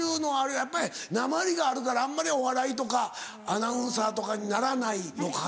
やっぱりなまりがあるからあんまりお笑いとかアナウンサーとかにならないのかな。